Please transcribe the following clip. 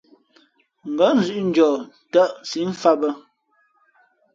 Ngα̌ zʉ̄ʼ njαα tᾱʼ nsǐʼ mfāt bᾱ.